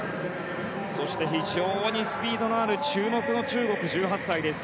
非常にスピードのある注目の中国、１８歳です